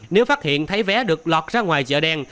nếu phát hiện thấy vé được lọt ra ngoài chợ đen